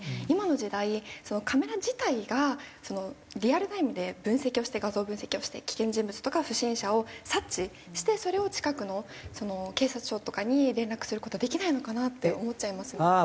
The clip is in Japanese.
今の時代カメラ自体がリアルタイムで分析をして画像分析をして危険人物とか不審者を察知してそれを近くの警察署とかに連絡する事はできないのかなって思っちゃいますね。